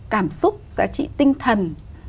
cảm xúc giá trị tinh thần